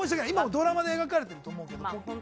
ドラマで描かれてると思うけど。